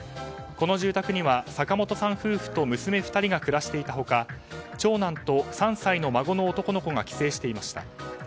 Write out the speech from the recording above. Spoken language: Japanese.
この住宅には坂本さん夫婦と娘夫婦が暮らしていた他長男と３歳の孫の男の子が帰省していました。